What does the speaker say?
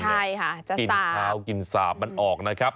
ใช่ค่ะจะกินข้าวกินสาบมันออกนะครับ